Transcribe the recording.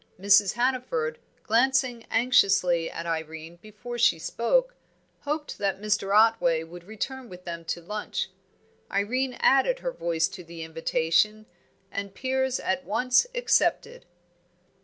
Mrs. Hannaford, glancing anxiously at Irene before she spoke, hoped that Mr. Otway would return with them to lunch; Irene added her voice to the invitation; and Piers at once accepted.